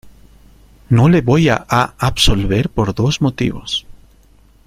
no le voy a absolver por dos motivos: